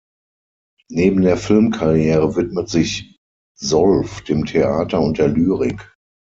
Neben der Filmkarriere widmet sich Solf dem Theater und der Lyrik.